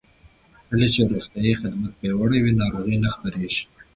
کله چې روغتیايي خدمات پیاوړي وي، ناروغۍ نه خپرېږي.